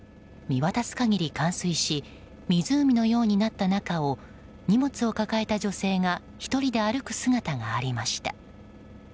見渡す限り冠水し湖のようになった中を荷物を抱えた女性が１人で歩く姿がありました。